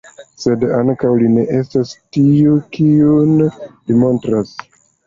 Sed ankaŭ li ne estas tiu, kiun li montras.